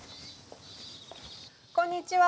こんにちは。